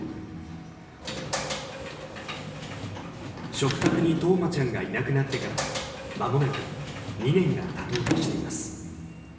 食卓に冬生ちゃんがいなくなってからまもなく２年が経とうとしています。